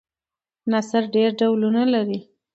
نثر ډېر ډولونه لري.